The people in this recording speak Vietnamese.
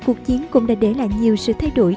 cuộc chiến cũng đã để lại nhiều sự thay đổi